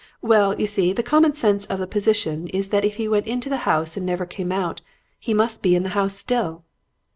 Well, you see, the common sense of the position is that if he went into the house and never came out, he must be in the house still."